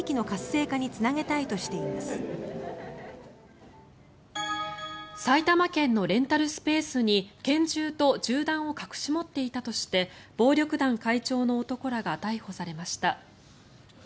埼玉県のレンタルスペースに拳銃と銃弾を隠し持っていたとして暴力団会長の男らが逮捕されました。